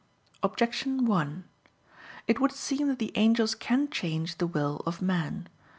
Objection 1: It would seem that the angels can change the will of man.